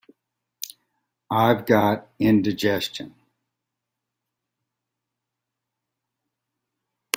I've got indigestion.